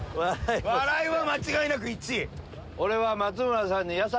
笑いは間違いなく１位！